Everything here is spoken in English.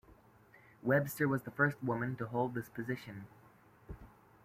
Webster was the first woman to hold this position.